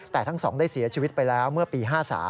แต่ทั้งสองได้เสียชีวิตไปแล้วเมื่อปี๕๓